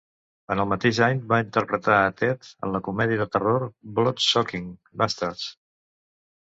En el mateix any va interpretar a Ted en la comèdia de terror "Bloodsucking Bastards".